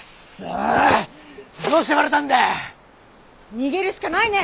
逃げるしかないね。